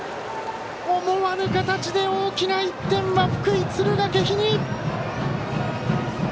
思わぬ形で大きな１点は福井、敦賀気比に！